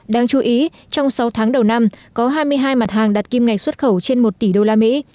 đáng chú ý trong sáu tháng đầu năm có hai mươi hai mặt hàng đạt kim ngạch xuất khẩu trên một tỷ đô la mỹ